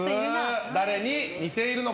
誰に似ているのか？